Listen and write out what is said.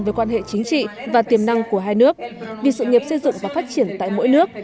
về quan hệ chính trị và tiềm năng của hai nước vì sự nghiệp xây dựng và phát triển tại mỗi nước